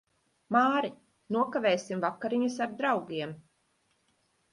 Māri, nokavēsim vakariņas ar draugiem.